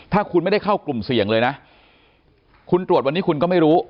ถ้าคุณไม่ได้เข้ากลุ่มเสี่ยงเลยนะคุณตรวจวันนี้คุณก็ไม่รู้